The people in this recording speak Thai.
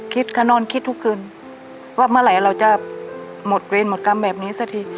ค่ะนอนคิดทุกคืนว่าเมื่อไหร่เราจะหมดเวรหมดกรรมแบบนี้สักที